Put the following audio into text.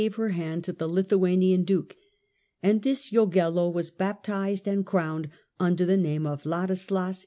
Jagello of her hand to the Lithuanian Duke ; and this Jagello becomeT"^ was baptised and crowned under the name of Ladislas ^"??